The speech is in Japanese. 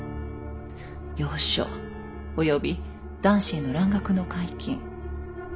洋書および男子への蘭学の解禁採薬使。